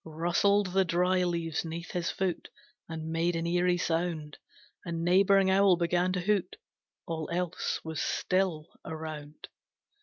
Rustled the dry leaves neath his foot, And made an eerie sound, A neighbouring owl began to hoot, All else was still around.